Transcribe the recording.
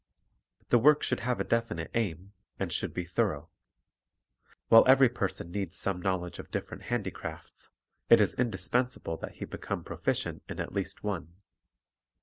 The work should have a definite aim, and should be thorough. While every person needs some knowl edge of different handicrafts, it is indispensable that he become proficient in at least one.